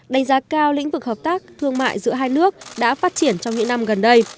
đánh giá cao lĩnh vực hợp tác thương mại giữa hai nước đã phát triển trong những năm gần đây